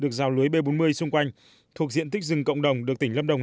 được giao lưới b bốn mươi xung quanh thuộc diện tích rừng cộng đồng được tỉnh lâm đồng